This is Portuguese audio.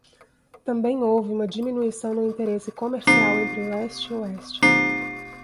Também houve uma diminuição no interesse comercial entre leste e oeste.